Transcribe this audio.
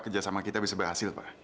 kerjasama kita bisa berhasil pak